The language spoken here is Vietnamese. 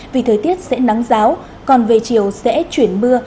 vì thời tiết sẽ nắng giáo còn về chiều sẽ chuyển mưa